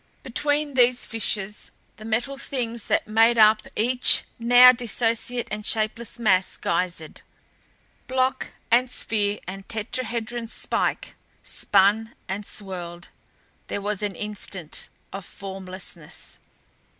Between these fissures the Metal Things that made up each now dissociate and shapeless mass geysered; block and sphere and tetrahedron spike spun and swirled. There was an instant of formlessness.